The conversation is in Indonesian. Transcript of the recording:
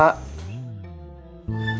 takut sama mas uha